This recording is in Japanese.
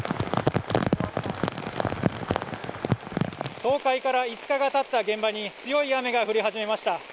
倒壊から５日がたった現場に強い雨が降り始めました。